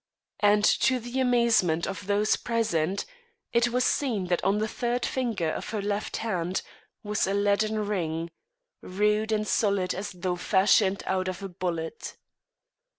And to the amazement of those present, it was seen that on the third finger of her left hand was a leaden ring, rude and solid as though fashioned out of a bullet.